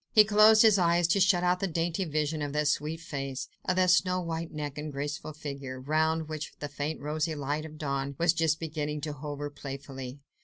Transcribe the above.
He closed his eyes to shut out the dainty vision of that sweet face, of that snow white neck and graceful figure, round which the faint rosy light of dawn was just beginning to hover playfully.